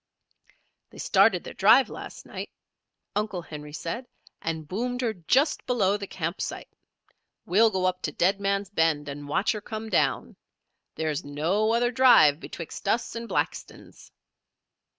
"They started their drive last night," Uncle Henry said, "and boomed her just below the campsite. We'll go up to Dead Man's Bend and watch her come down. There is no other drive betwixt us and Blackton's."